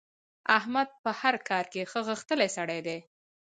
احمد په هر کار کې ښه غښتلی سړی دی.